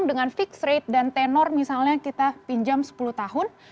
dengan fixed rate dan tenor misalnya kita pinjam sepuluh tahun